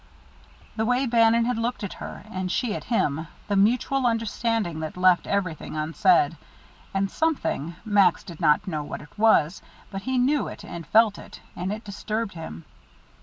The way Bannon had looked at her, and she at him; the mutual understanding that left everything unsaid; the something Max did not know what it was, but he saw it and felt it, and it disturbed him.